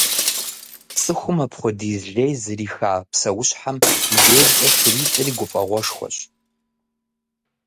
ЦӀыхум апхуэдиз лей зриха псэущхьэм и дежкӀэ шыритӏри гуфӏэгъуэшхуэщ.